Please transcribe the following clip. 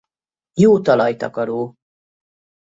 Jó talajtakaró.